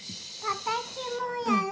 私もやる。